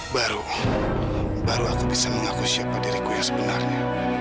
baru baru aku bisa mengakui siapa diriku yang sebenarnya